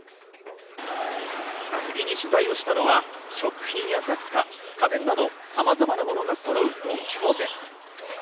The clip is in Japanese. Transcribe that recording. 次に取材をしたのは食品や雑貨、家電など様々なものがそろうドン・キホーテ。